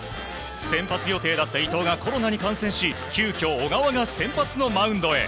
先発予定だった伊藤がコロナに感染し急きょ、小川が先発のマウンドへ。